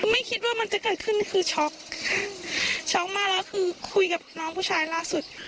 ไม่คิดว่ามันจะเกิดขึ้นคือช็อกช็อกมากแล้วคือคุยกับน้องผู้ชายล่าสุด